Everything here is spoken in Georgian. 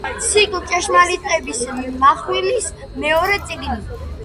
ციკლ „ჭეშმარიტების მახვილის“ მეორე წიგნი.